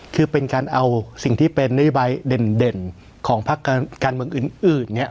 คือเป็นการเอาสิ่งที่เป็นนโยบายเด่นของพักการเมืองอื่นเนี่ย